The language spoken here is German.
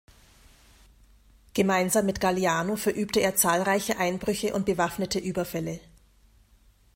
Gemeinsam mit Gagliano verübte er zahlreiche Einbrüche und bewaffnete Überfälle.